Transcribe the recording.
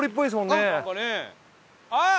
あっ！